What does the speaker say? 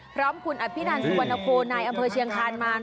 พร้อมคุณอภินันสุวรรณโพนายอำเภอเชียงคานมาร